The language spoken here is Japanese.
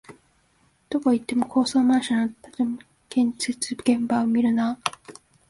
どこ行っても高層マンションの建設現場を見るなあ